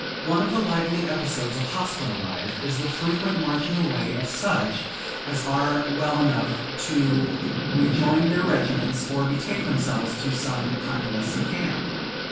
One of the lively episodes of hospital life, is the frequent marching away of such as are well enough to rejoin their regiments, or betake themselves to some convalescent camp.